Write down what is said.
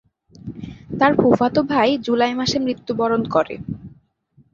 তার ফুফাতো ভাই জুলাই মাসে মৃত্যুবরণ করে।